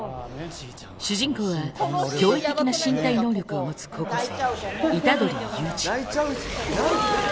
主人公は驚異的な身体能力を持つ高校生虎杖悠仁